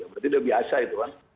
berarti udah biasa itu kan